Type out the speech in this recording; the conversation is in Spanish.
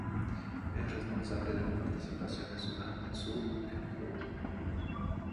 Es responsable de la participación de Sudán del Sur en los Juegos Olímpicos.